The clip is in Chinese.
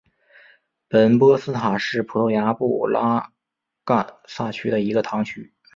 本波斯塔是葡萄牙布拉干萨区的一个堂区。